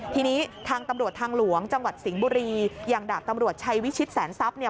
ทีนี้ทางตำรวจทางหลวงจังหวัดสิงห์บุรีอย่างดาบตำรวจชัยวิชิตแสนทรัพย์เนี่ย